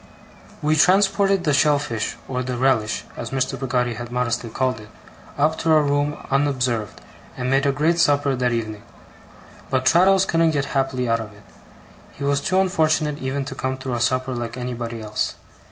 We transported the shellfish, or the 'relish' as Mr. Peggotty had modestly called it, up into our room unobserved, and made a great supper that evening. But Traddles couldn't get happily out of it. He was too unfortunate even to come through a supper like anybody else.